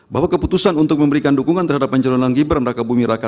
bahwa keputusan untuk memberikan dukungan terhadap pencalonan gibran raka bumi raka